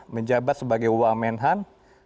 menjabat sebagai wa menhan